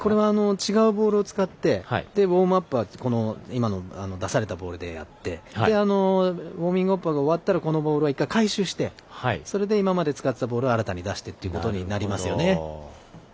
違うボールを使ってウォームアップは出されたボールでやってウォーミングアップが終わったらこのボールはいったん回収してそれで今まで使っていたボールを新たに出してということになります。